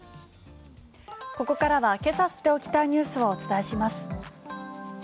ここからはけさ知っておきたいニュースをお伝えします。